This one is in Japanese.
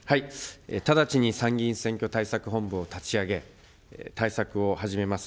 直ちに参議院選挙対策本部を立ち上げ、対策を始めます。